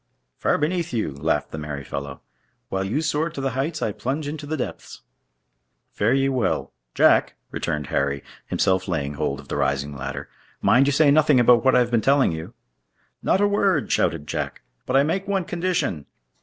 "Far beneath you," laughed the merry fellow. "While you soar to the heights, I plunge into the depths." "Fare ye well. Jack!" returned Harry, himself laying hold of the rising ladder; "mind you say nothing about what I have been telling you." "Not a word," shouted Jack, "but I make one condition."